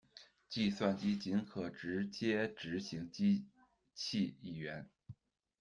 计算机仅可直接执行机器语言。